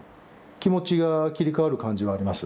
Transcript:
気持ちが切り替わる感じはあります。